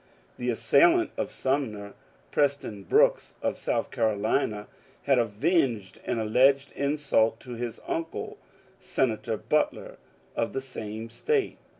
The assailant of Sumner, Preston Brooks of South Carolina, had avenged an alleged insult to his uncle. Senator Butler, of the same State.